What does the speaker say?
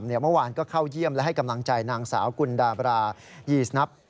เมื่อวานก็เข้าเยี่ยมและให้กำลังใจนางสาวกุลดาบรายีสนับ